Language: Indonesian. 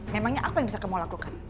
memangnya apa yang bisa kamu lakukan